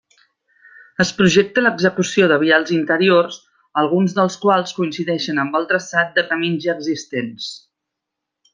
Es projecta l'execució de vials interiors, alguns dels quals coincideixen amb el traçat de camins ja existents.